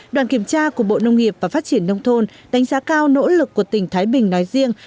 đoàn kiểm tra của bộ nông nghiệp và phát triển nông thôn đánh giá cao nỗ lực của tỉnh thái bình nói riêng